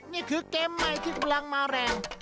นี่คือเกมใหม่ที่กำลังมาแรง